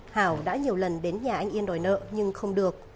hảo đã nhiều lần đến nhà anh yên đòi nợ nhưng không được